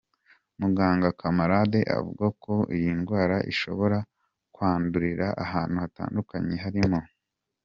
Muganga Camarade avuga ko iyi ndwara ishobora kwandurira ahantu hatandukanye harimo:.